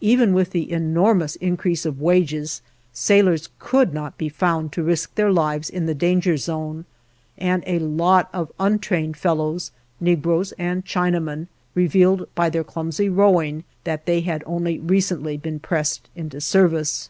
Even with the enormous increase of wages, sailors could not be found to risk their lives in the danger zone, and a lot of untrained fellows, negroes and Chinamen, revealed by their clumsy rowing that they had only recently been pressed into service.